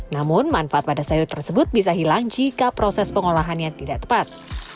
namun manfaat pada sayur tersebut bisa hilang jika proses pengolahannya tidak tepat